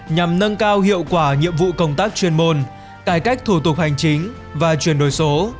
nhằm nâng cao hiệu quả nhiệm vụ công tác chuyên môn cải cách thủ tục hành chính và chuyển đổi số